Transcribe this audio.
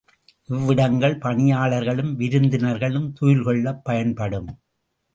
இவ்விடங்கள் பணியாளர்களும் விருந்தினர்களும் துயில்கொள்ளப் பயன்படும்.